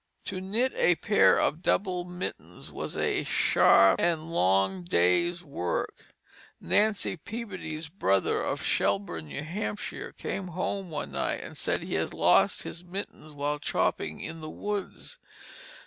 To knit a pair of double mittens was a sharp and long day's work. Nancy Peabody's brother of Shelburne, New Hampshire, came home one night and said he had lost his mittens while chopping in the woods.